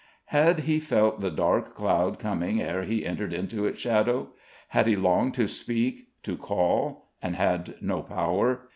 Had he felt the dark cloud coming ere he entered into its shadow? Had he longed to speak to call and had no power?